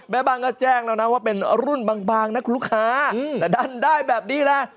บางก็แจ้งแล้วนะว่าเป็นรุ่นบางนะคุณลูกค้าแต่ดันได้แบบนี้แหละ